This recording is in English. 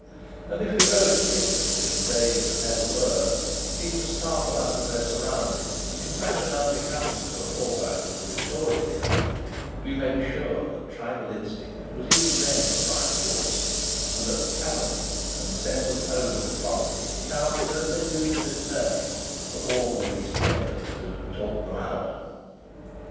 And if heroic figures, in days that never were, seem to startle out from their surroundings in fashion unbecoming to a Forsyte of the Victorian era, we may be sure that tribal instinct was even then the prime force, and that "family" and the sense of home and property counted as they do to this day, for all the recent efforts to "talk them out."